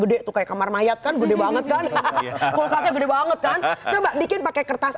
gede tuh kayak kamar mayat kan gede banget kan hahaha kulkasnya gede banget kan coba bikin pakai kertas